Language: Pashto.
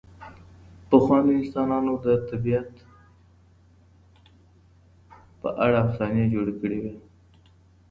پخوانیو انسانانو د طبیعت په اړه افسانې جوړې کړې وې.